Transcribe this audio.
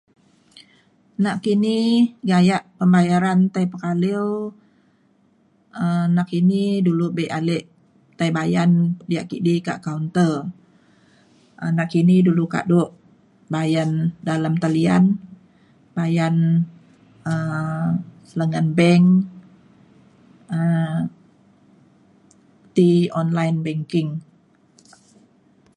nakini gayak pembayaran tei pekaliu um nakini dulu be ale tai bayan diak kidi ka kaunter um nakini dulu kado bayan dalem talian bayan um selengen bank um ti online banking